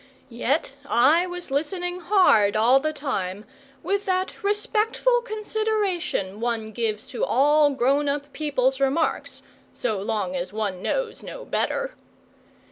Yet I was listening hard all the time, with that respectful consideration one gives to all grown up people's remarks, so long as one knows no better.